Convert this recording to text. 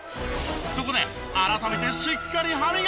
そこで改めてしっかり歯磨き。